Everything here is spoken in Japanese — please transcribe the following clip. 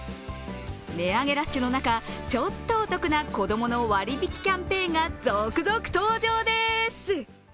値上げラッシュの中、ちょっとお得な子供の割引キャンペーンが続々登場です。